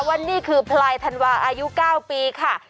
ว่านี่คือพลายธันวาอายุ๙ปีค่ะ